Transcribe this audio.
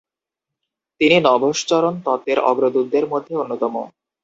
তিনি নভশ্চরণ তত্ত্বের অগ্রদূতদের মধ্যে অন্যতম।